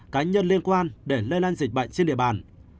cá nhân liên quan để lây lan dịch bệnh trên địa bàn